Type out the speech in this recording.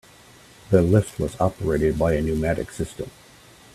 The lift was operated by a pneumatic system.